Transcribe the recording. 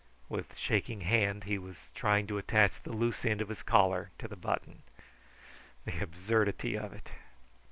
With shaking hand he was trying to attach the loose end of his collar to the button. The absurdity of it!